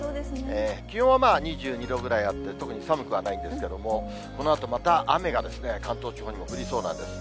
気温は２２度ぐらいあって、特に寒くはないんですけども、このあとまた雨が関東地方にも降りそうなんです。